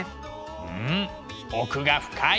うん奥が深い！